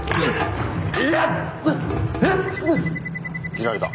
斬られた。